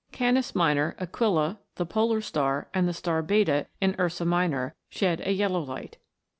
Canis Minor, Aquila, the Polar Star, and the star Beta, in Ursa Minor, shed a yellow light.